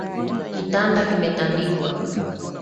Kitanda kimetandikwa